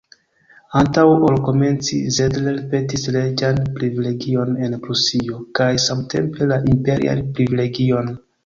Antaŭ ol komenci, Zedler petis reĝan privilegion en Prusio, kaj samtempe la imperian privilegion.